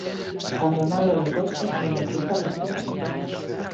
Cando nado de costas non me custa respirar.